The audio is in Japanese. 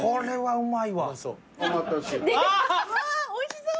うーわおいしそう。